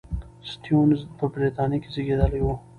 سټيونز په بریتانیا کې زېږېدلی و.